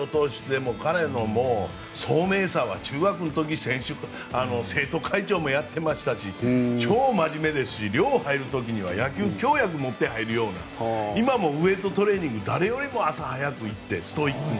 彼の聡明さは中学の時生徒会長もやってましたし超真面目ですし寮に入る時には野球協約を持って入るような今もウェートトレーニングを誰よりも朝早くに行ってストイックに。